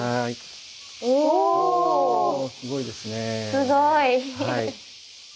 すごい。